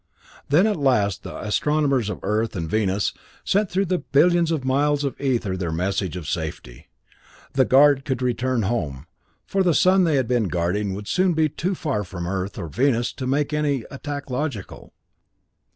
Then at last the astronomers of Earth and Venus sent through the billions of miles of ether their message of safety. The guard could return home, for the sun they had been guarding would soon be too far from Earth or Venus to make any attack logical.